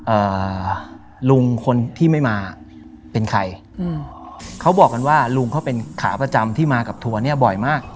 เอ่อลุงคนที่ไม่มาเป็นใครอืมเขาบอกกันว่าลุงเขาเป็นขาประจำที่มากับทัวร์เนี้ยบ่อยมาก